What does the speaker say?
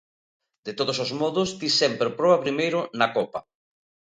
De todos os modos, ti sempre proba primeiro na copa.